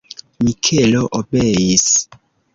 Mikelo obeis.